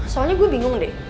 soalnya gue bingung deh